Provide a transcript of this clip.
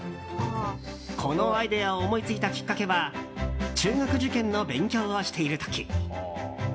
このアイデアを思いついたきっかけは中学受験の勉強をしている時。